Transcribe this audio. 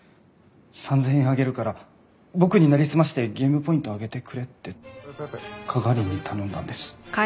３０００円あげるから僕になりすましてゲームポイント上げてくれってカガーリンに頼んだんです。